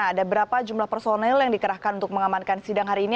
ada berapa jumlah personel yang dikerahkan untuk mengamankan sidang hari ini